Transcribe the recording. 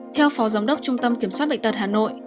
theo phó giám đốc trung tâm kiểm soát bệnh tật hà nội